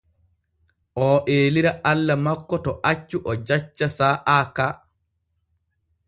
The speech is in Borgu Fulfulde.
Oo eelira Allah makko to accu o jacca saa’a ka.